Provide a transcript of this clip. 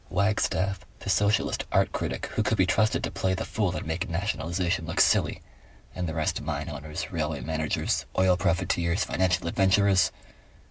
Wagstaffe the socialist art critic who could be trusted to play the fool and make nationalization look silly, and the rest mine owners, railway managers, oil profiteers, financial adventurers...."